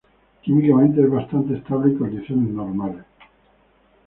Químicamente es bastante estable en condiciones normales.